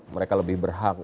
mereka lebih berhak